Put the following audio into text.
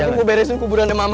sakti mau beresin kuburan mama